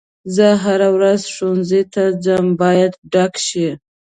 زه هره ورځ ښوونځي ته ځم باید ډک شي.